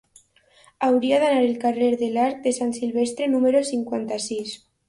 Hauria d'anar al carrer de l'Arc de Sant Silvestre número cinquanta-sis.